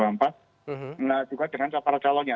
nah juga dengan para calonnya